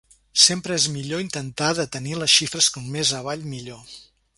Sempre és millor intentar de tenir les xifres com més avall millor.